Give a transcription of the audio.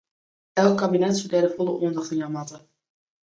Elk kabinet soe dêr de folle oandacht oan jaan moatte.